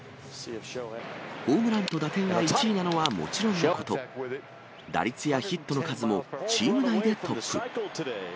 ホームランと打点が１位なのはもちろんのこと、打率やヒットの数もチーム内でトップ。